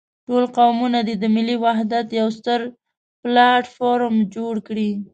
ټول قومونه دې د ملي وحدت يو ستر پلاټ فورم جوړ کړي.